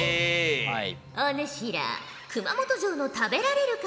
お主ら熊本城の食べられる壁